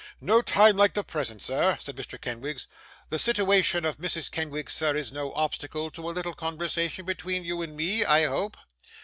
'No time like the present, sir,' said Mr. Kenwigs. 'The sitiwation of Mrs Kenwigs, sir, is no obstacle to a little conversation between you and me, I hope?